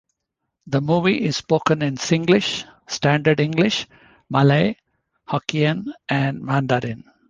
The movie is spoken in Singlish, Standard English, Malay, Hokkien and Mandarin.